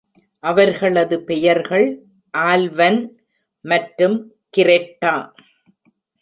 அவர்களது பெயர்கள் ஆல்வன் மற்றும் கிரெட்டா.